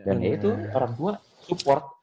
dan yaitu orang tua support